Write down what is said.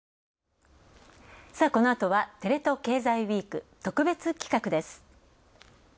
このあとはテレ東経済ＷＥＥＫ特別企画です。